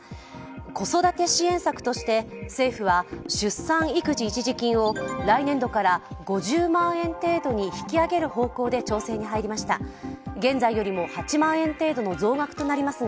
子育て支援策として政府は出産育児一時金を来年度から５０万円程度に引き上げる方向で調整に入りました。